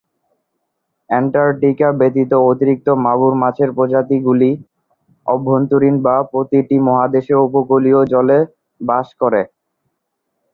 Antarctica ব্যতীত অতিরিক্ত মাগুর মাছের প্রজাতিগুলি অভ্যন্তরীণ বা প্রতিটি মহাদেশের উপকূলীয় জলে বাস করে।